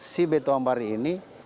si beto ambari ini